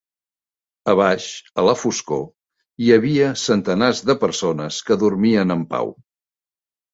A baix, a la foscor, hi havia centenars de persones que dormien en pau.